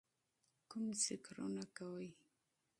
کوم ذِکرونه کوئ،